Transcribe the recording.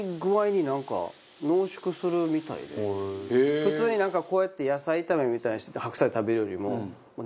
普通になんかこうやって野菜炒めみたいにして白菜食べるよりも。